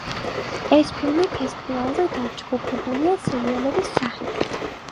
ეს ფილმები ფესტივალზე დაჯგუფებულია სერიების სახით.